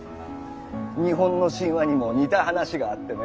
日本の神話にも似た話があってね